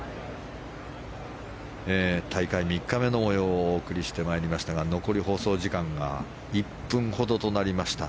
大会３日目の模様をお送りしてまいりましたが残り放送時間が１分ほどとなりました。